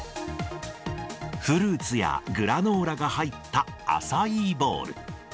フルーツやグラノーラが入ったアサイーボウル。